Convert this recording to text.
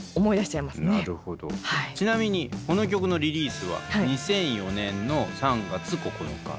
ちなみにこの曲のリリースは２００４年の３月９日。